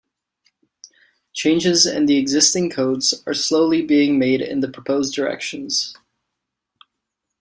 Changes in the existing codes are slowly being made in the proposed directions.